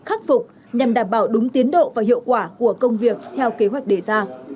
khắc phục nhằm đảm bảo đúng tiến độ và hiệu quả của công việc theo kế hoạch đề ra